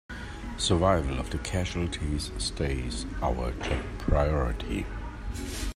Survival of the casualties stays our top priority!